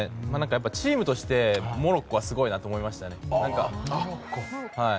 チームとして、モロッコはすごいなと思いましたね。